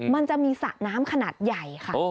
มันจะมีสระน้ำขนาดใหญ่ค่ะ